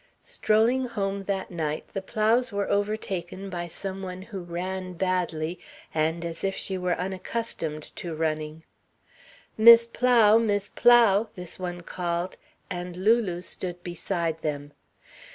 Strolling home that night, the Plows were overtaken by some one who ran badly, and as if she were unaccustomed to running. "Mis' Plow, Mis' Plow!" this one called, and Lulu stood beside them.